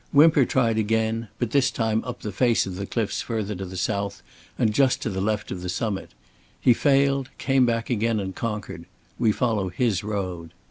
Whymper tried again, but this time up the face of the cliffs further on to the south and just to the left of the summit. He failed, came back again and conquered. We follow his road."